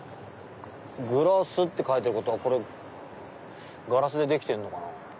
グラスって書いてあるってことはこれガラスでできてるのかな。